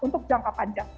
untuk jangka panjang